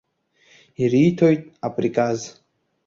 Ириҭоит априказ.